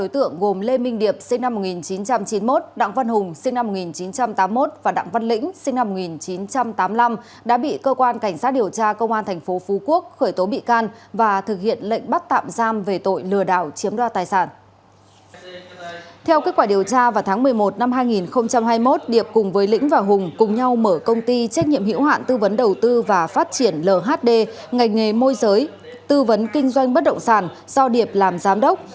từ tháng một mươi một năm hai nghìn hai mươi một điệp cùng với lĩnh và hùng cùng nhau mở công ty trách nhiệm hiểu hạn tư vấn đầu tư và phát triển lhd ngành nghề môi giới tư vấn kinh doanh bất động sản do điệp làm giám đốc